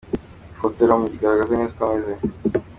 Iyi foto iramugaragaza neza uko ameze.